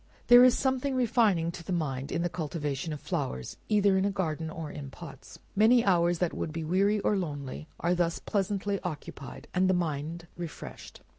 There is something refining to the mind in the cultivation of flowers, either in a garden or in pots. Many hours that would be weary or lonely, are thus pleasantly occupied, and the mind refreshed.